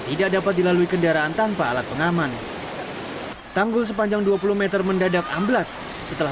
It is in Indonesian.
tidak dapat dilalui kendaraan tanpa alat pengaman tanggul sepanjang dua puluh m mendadak amblas setelah